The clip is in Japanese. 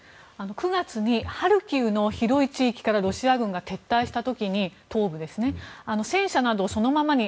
９月にハルキウの広い地域からロシア軍が撤退した時に戦車などをそのままに